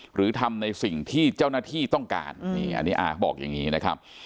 หรือทำในสิ่งที่เจ้าหน้าที่ต้องการนี่อันนี้บอกอย่างนี้นะครับ